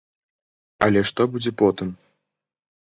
Але што будзе потым?